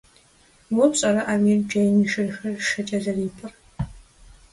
Уэ пщӀэрэ, Амир, джейм и шырхэр шэкӀэ зэрипӀыр?